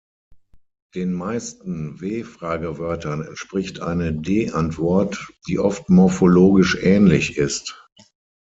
Den meisten W-Fragewörtern entspricht eine D-Antwort, die oft morphologisch ähnlich ist.